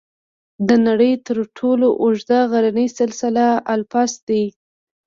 د نړۍ تر ټولو اوږده غرني سلسله الپس ده.